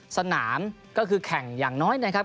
สนามก็คือแข่งอย่างน้อยนะครับ